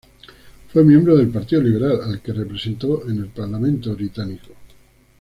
Fue miembro del Partido Liberal, al que representó en el Parlamento británico.